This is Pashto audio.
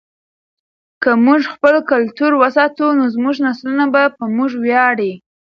که موږ خپل کلتور وساتو نو زموږ نسلونه به په موږ ویاړي.